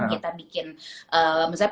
kita bikin misalnya